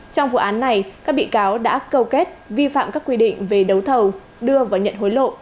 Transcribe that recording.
trong vụ án này các bị cáo đã câu kết vi phạm các quy định về đấu thầu đưa và nhận hối lộ